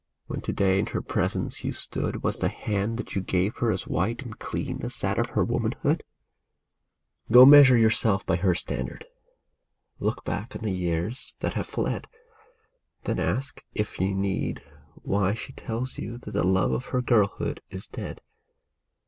When to day in her presence you stood. Was the hand that you gave her as white and clean as that of her womanhood ? OUTGROWN " 13 Go measure yourself by her standard. Look back on the years that have fled ; Then ask, if you need, why she tells you that the love of her girlhood is dead